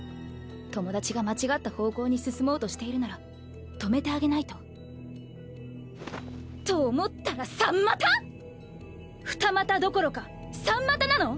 友達が間違った方向に進もうとしているなら止めてあげないと。と思ったら三股⁉二股どころか三股なの⁉